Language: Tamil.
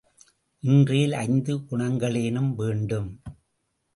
இன்றேல் ஐந்து குணங்களேனும் வேண்டும்.